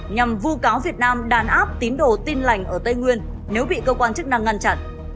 nhằm vu cáo việt nam đàn áp tín đồ tin lành ở tây nguyên nếu bị cơ quan chức năng ngăn chặn